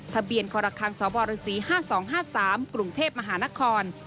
ทะเบียนครคังสบศ๕๒๕๓กรุงเทพมหานคร